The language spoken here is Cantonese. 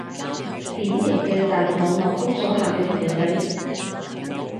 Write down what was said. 典型嘅大陸網絡封鎖下嘅朋友仔